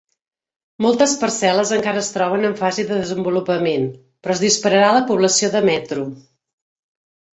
Moltes parcel·les encara es troben en fase de desenvolupament, però es dispararà la població de Metro.